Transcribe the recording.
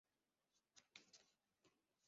Ukiendelea unawapa kichwa hao